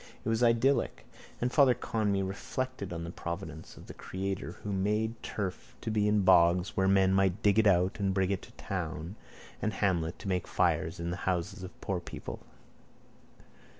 It was idyllic: and Father Conmee reflected on the providence of the Creator who had made turf to be in bogs whence men might dig it out and bring it to town and hamlet to make fires in the houses of poor people.